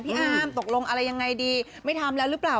อามตกลงอะไรยังไงดีไม่ทำแล้วหรือเปล่า